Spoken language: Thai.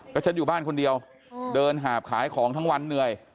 ก็ฉันอยู่บ้านคนเดียวเดินหาบขายของทั้งวันเหนื่อย